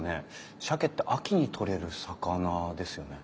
しゃけって秋に取れる魚ですよね？